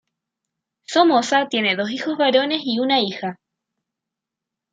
Somoza tiene dos hijos varones y una hija.